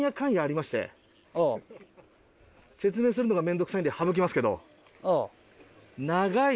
説明するのが面倒くさいんで省きますけど。